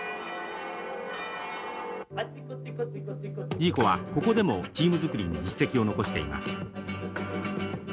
ジーコはここでもチーム作りに実績を残しています。